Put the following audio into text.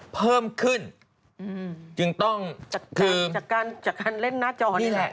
เพิ่มขึ้นจึงต้องจากการจากการเล่นหน้าจอนี่แหละ